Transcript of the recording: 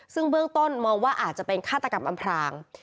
ซึ่งเบื้องต้นมองว่าอาจจะเป็นฆาตกรรมอำพราง